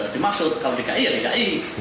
dimaksud kalau di ki ya di ki